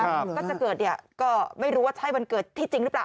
ก็จะเกิดเนี่ยก็ไม่รู้ว่าใช่วันเกิดที่จริงหรือเปล่า